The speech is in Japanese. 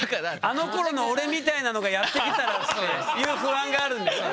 あのころの俺みたいなのがやって来たらっていう不安があるんですよ。